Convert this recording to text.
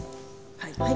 はい。